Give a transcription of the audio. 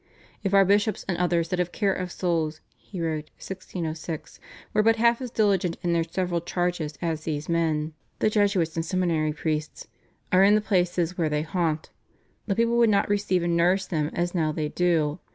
"If our bishops, and others that have care of souls," he wrote (1606), "were but half as diligent in their several charges as these men [the Jesuits and seminary priests] are in the places where they haunt, the people would not receive and nourish them as now they do.